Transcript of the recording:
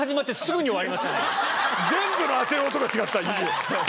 全部の当てる音が違った。